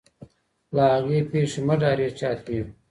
له هغې پېښې مه ډاریږئ چي حتمي وي.